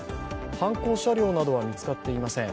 犯行車両などは見つかっていません。